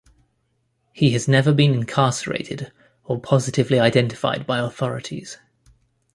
He has never been incarcerated or positively identified by authorities.